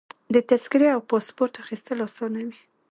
د تذکرې او پاسپورټ اخیستل اسانه وي.